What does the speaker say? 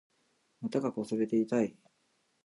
股が擦れて痛い